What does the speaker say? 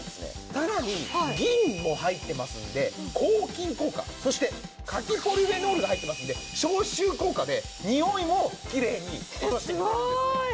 さらに銀も入ってますんで抗菌効果そして柿ポリフェノールが入ってますんで消臭効果でにおいもきれいに落としてくれるんです。